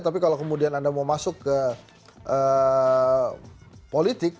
tapi kalau kemudian anda mau masuk ke politik